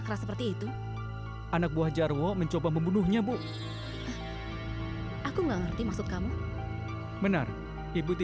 karena saya sudah gak setia sama ibu